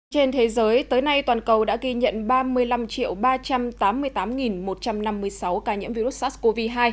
trên thế giới tới nay toàn cầu đã ghi nhận ba mươi năm ba trăm tám mươi tám một trăm năm mươi sáu ca nhiễm virus sars cov hai